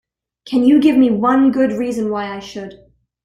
Can you give me one good reason why I should?